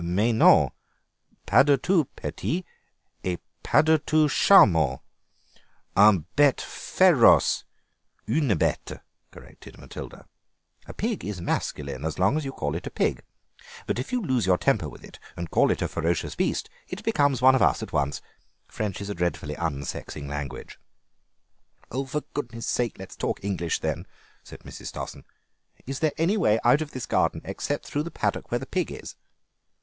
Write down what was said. "Mais non, pas du tout petit, et pas du tout charmant; un bête féroce—" "Une bête," corrected Matilda; "a pig is masculine as long as you call it a pig, but if you lose your temper with it and call it a ferocious beast it becomes one of us at once. French is a dreadfully unsexing language." "For goodness' sake let us talk English then," said Mrs. Stossen. "Is there any way out of this garden except through the paddock where the pig is?"